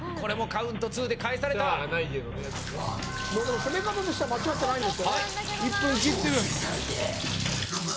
攻め方としては間違ってないです。